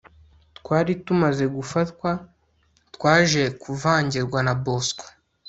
twari tumaze gufatwa twaje kuvangirwa na bosco